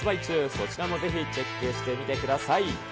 こちらもぜひチェックしてみてください。